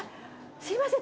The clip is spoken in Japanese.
すいません